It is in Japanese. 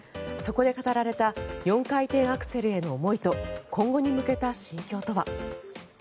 そこで語られた４回転アクセルへの思いと今後に向けた心境とは。